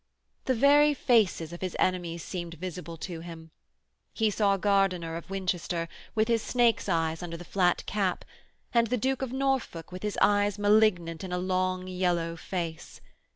The very faces of his enemies seemed visible to him. He saw Gardiner, of Winchester, with his snake's eyes under the flat cap, and the Duke of Norfolk with his eyes malignant in a long, yellow face.